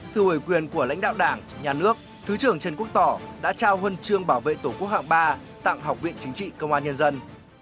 thư hồi quyền của lãnh đạo đảng nhà nước thứ trưởng trần quốc tỏ đã trao huân chương bảo vệ tổ quốc hạng ba tặng học viện chính trị công an nhân dân